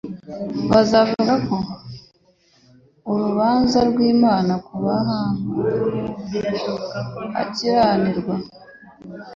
bazavuga ko ari urubanza rw'Imana ku mahanga akiranirwa